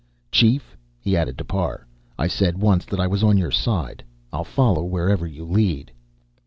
Chief," he added to Parr, "I said once that I was on your side. I'll follow wherever you lead."